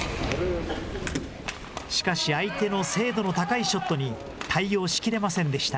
しかし、相手の精度の高いショットに対応しきれませんでした。